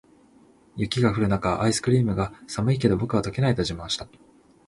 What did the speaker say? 雪が降る中、アイスクリームが「寒いけど、僕は溶けない！」と自慢した。